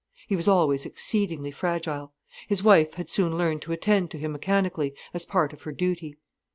He was always exceedingly fragile. His wife had soon learned to attend to him mechanically, as part of her duty.